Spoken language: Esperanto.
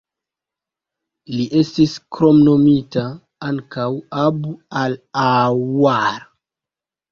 Li estis kromnomita ankaŭ "Abu-al-Aaŭar".